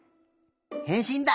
へんしんだ。